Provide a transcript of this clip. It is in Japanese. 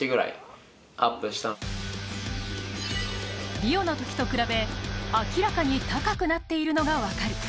リオのときと比べ、明らかに高くなっているのが分かる。